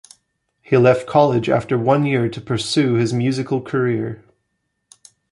He left college after one year to pursue his musical career.